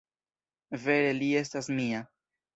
Vere li estas mia.